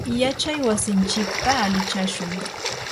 yachay wasinchikta alichashun.